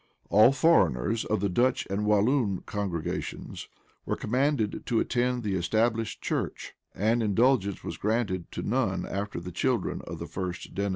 [] All foreigners of the Dutch and Walloon congregations were commanded to attend the established church; and indulgence was granted to none after the children of the first denizens.